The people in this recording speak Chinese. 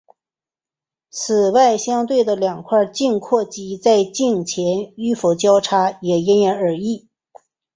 此外相对的两块颈阔肌在颈前是否交叉也因人而异。